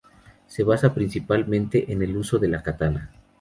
Se basa principalmente en el uso de la katana.